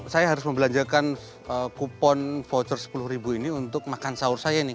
saya harus membelanjakan kupon voucher sepuluh ini untuk makan sahur saya nih